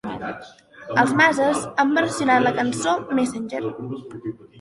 Els Mazes han versionat la cançó "Messenger".